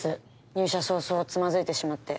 入社早々つまずいてしまって。